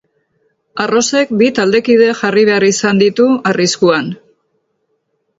Arrosek bi taldekide jarri behar izan ditu arriskuan.